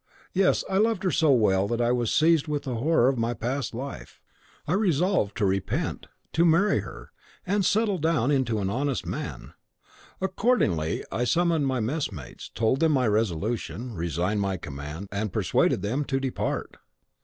Yes, I loved her so well that I was seized with horror at my past life! I resolved to repent, to marry her, and settle down into an honest man. Accordingly, I summoned my messmates, told them my resolution, resigned my command, and persuaded them to depart.